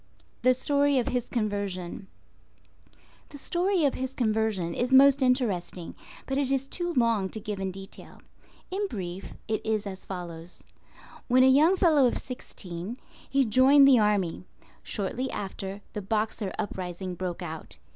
THE STORY OF HIS CONVERSION. The story of his conversion is most interesting, but it is too long to give in detail. In brief, it is as follows:—When a young fellow of sixteen, he joined the army. Shortly after, the Boxer Uprising broke out.